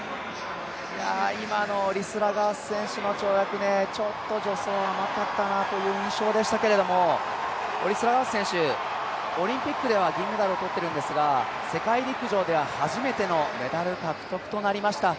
今のオリスラガース選手の跳躍、ちょっと助走甘かったなという印象でしたけれども、オリスラガース選手オリンピックでは銀メダルを取っているんですが世界陸上では初めてのメダル獲得となりました。